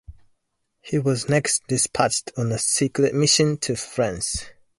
He was next dispatched on a secret mission to France.